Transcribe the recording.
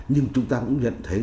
nhưng chúng ta cũng nhận thấy